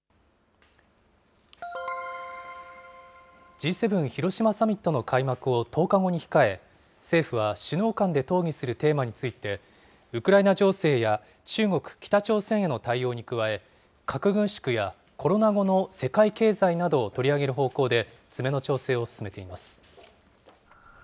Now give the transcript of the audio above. Ｇ７広島サミットの開幕を１０日後に控え、政府は首脳間で討議するテーマについて、ウクライナ情勢や中国、北朝鮮への対応に加え、核軍縮やコロナ後の世界経済などを取り上げる方向で詰めの調整を進めています。